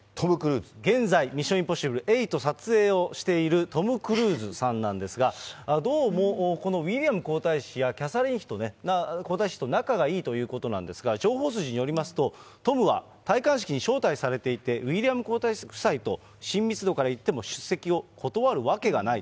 現在、ミッションインポッシブル８を撮影しているトム・クルーズさんなんですが、どうもこのウィリアム皇太子やキャサリン皇太子妃と仲がいいということなんですが、情報筋によりますと、トムは戴冠式に招待されていて、ウィリアム皇太子夫妻と親密度から言っても、出席を断るわけがない。